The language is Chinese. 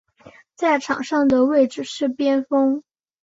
在场上的位置是边锋。